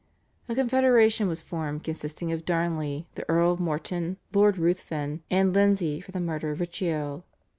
A confederation was formed consisting of Darnley, the Earl of Morton, Lord Ruthven, and Lindsay for the murder of Riccio.